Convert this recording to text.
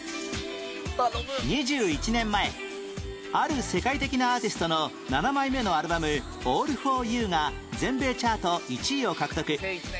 ２１年前ある世界的なアーティストの７枚目のアルバム『オール・フォー・ユー』が全米チャート１位を獲得